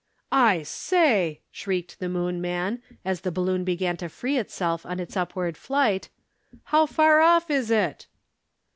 "I say!" shrieked the Moon man, as the balloon began to free itself on its upward flight, "How far off is it?"